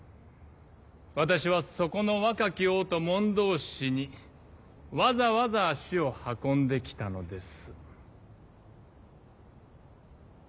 私はそこの若き王と問答しにわざわざ足を運んで来たのです。